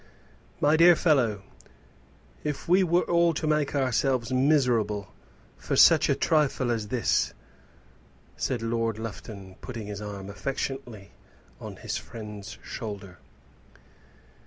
"My dear fellow, if we were all to make ourselves miserable for such a trifle as this " said Lord Lufton, putting his arm affectionately on his friend's shoulder.